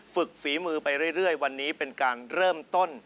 ฝีมือไปเรื่อยวันนี้เป็นการเริ่มต้น